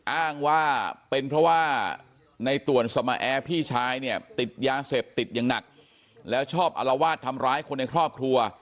อ้างว่าเป็นเพราะว่าในต่วนสมาแอร์พี่ชายเนี่ยติดยาเสพติดอย่างหนักแล้วชอบอลวาดทำร้ายคนในครอบครัว